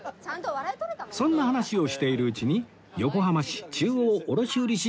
そんな話をしているうちに横浜市中央卸売市場に到着